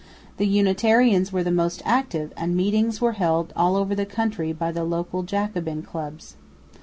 The Unitarians were the most active, and meetings were held all over the country by the local Jacobin clubs.